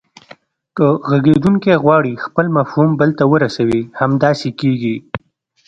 که غږیدونکی غواړي خپل مفهوم بل ته ورسوي همداسې کیږي